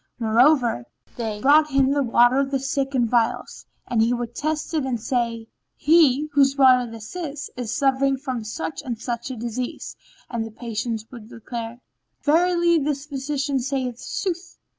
Moreover, they brought him the water of the sick in phials,[FN#13] and he would test it and say, "He, whose water this is, is suffering from such and such a disease," and the patient would declare, "Verily this physician sayeth sooth."